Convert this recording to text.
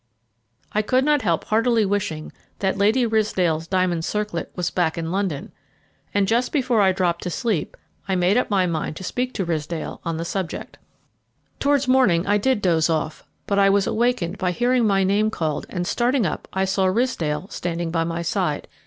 I could not help heartily wishing that Lady Ridsdale's diamond circlet was back in London, and, just before I dropped to sleep, I made up my mind to speak to Ridsdale on the subject. Towards morning I did doze off, but I was awakened by hearing my name called, and, starting up, I saw Ridsdale standing by my side.